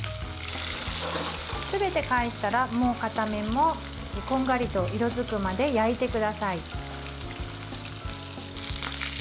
すべて返したら、もう片面もこんがりと色づくまで焼いてください。